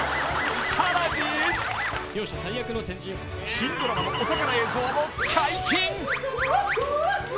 ［さらに新ドラマのお宝映像も解禁］